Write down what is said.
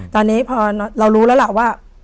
ตอนนี้พอเรารู้แล้วล่ะว่า